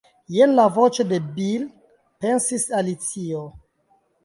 "Jen la voĉo de Bil," pensis Alicio.